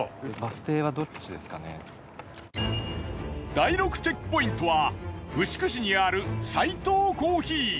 第６チェックポイントは牛久市にあるサイトウコーヒー。